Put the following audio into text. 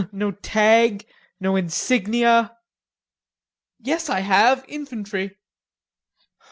"No tag, no insignia." "Yes, I have, infantry."